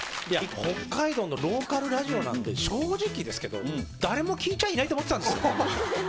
いや北海道のローカルラジオなんで正直ですけど誰も聞いちゃいないと思ってたんですよ。